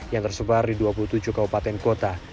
yang tersebar di dua puluh tujuh kabupaten kota